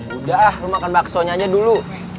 udah lu makan bakso nya aja dulu